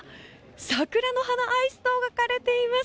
桜の花アイスと書かれています！